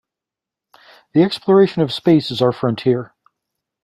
The exploration of space is our frontier.